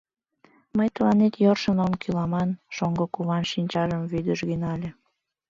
— Мый тыланет йӧршын ом кӱл аман, — шоҥго куван шинчажым вӱдыжгӧ нале.